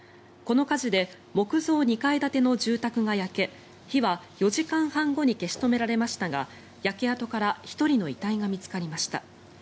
この火事で木造２階建ての住宅が焼け火は４時間半後に消し止められましたが焼け跡から１人の遺体が見つかりました。